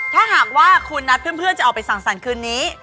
ถ้าหากว่าคุณนัดเพื่อนจะออกไปสั่งสรรค์คืนนี้